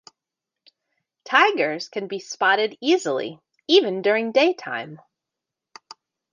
Tigers can be spotted easily even during daytime.